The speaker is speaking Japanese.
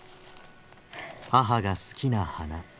母が好きな花。